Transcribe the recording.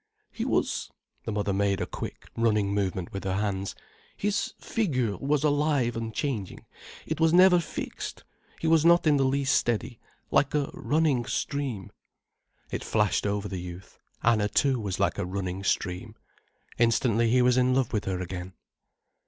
"He was"—the mother made a quick, running movement with her hands—"his figure was alive and changing—it was never fixed. He was not in the least steady—like a running stream." It flashed over the youth—Anna too was like a running stream. Instantly he was in love with her again.